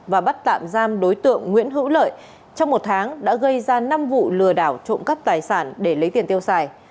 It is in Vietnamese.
và bắt tạm giam đối tượng nguyễn hữu lợi trong một tháng đã gây ra năm vụ lừa đảo trộm cắp tài sản để lấy tiền tiêu xài